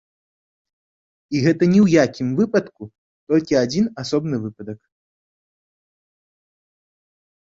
І гэта ні ў якім выпадку толькі адзін асобны выпадак.